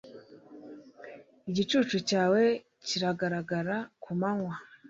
Igicucu cyawe kiragaragara.ku manywa